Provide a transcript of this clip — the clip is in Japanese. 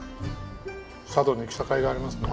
佐渡に来たかいがありますね。